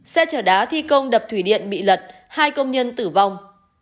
xe chở đá thi công đập thủy điện bị lật hai công nhân tử vong